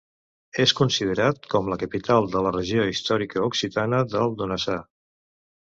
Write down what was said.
És considerat com la capital de la regió històrica occitana del Donasà.